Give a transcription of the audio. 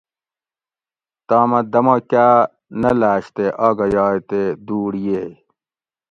تامہ دمہ کاۤ نہ لاۤش تے آگہ یائے تے دوُڑ ییئے